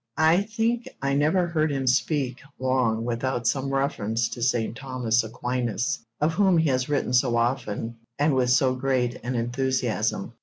I think I never heard him speak long without some reference to St. Thomas Aquinas, of whom he has written so often and with so great an enthusiasm.